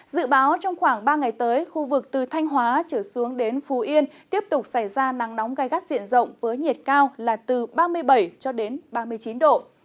dự báo trong khoảng ba ngày tới khu vực từ thanh hóa trở xuống đến phú yên tiếp tục xảy ra nắng nóng gai gắt diện rộng với nhiệt cao là từ ba mươi bảy cho đến ba mươi chín độ